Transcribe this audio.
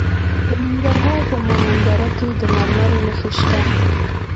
د ننګرهار په مومند دره کې د مرمرو نښې شته.